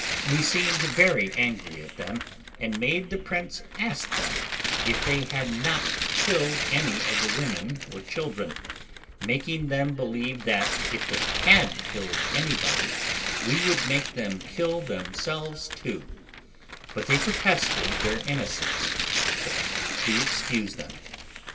We seemed very angry at them, and made the prince ask them if they had not killed any of the women or children, making them believe that, if they had killed anybody, we would make them kill themselves too; but they protested their innocence, so we excused them.